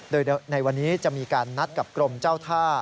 โดยในวันนี้จะมีการนัดกับกรมเจ้าท่า